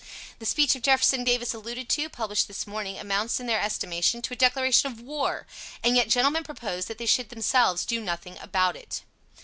The speech of Jeff. Davis, alluded to, published this morning, amounts in their estimation to a declaration of war, and yet gentlemen proposed that they should themselves do nothing about it.